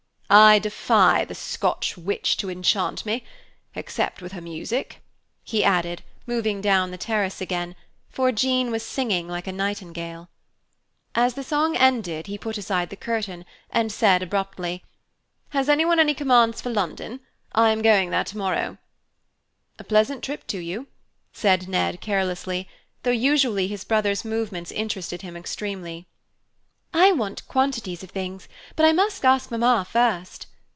"I defy the Scotch witch to enchant me, except with her music," he added, moving down the terrace again, for Jean was singing like a nightingale. As the song ended, he put aside the curtain, and said, abruptly, "Has anyone any commands for London? I am going there tomorrow." "A pleasant trip to you," said Ned carelessly, though usually his brother's movements interested him extremely. "I want quantities of things, but I must ask Mamma first."